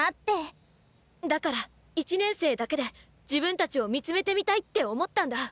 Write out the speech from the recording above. だから１年生だけで自分たちを見つめてみたいって思ったんだ。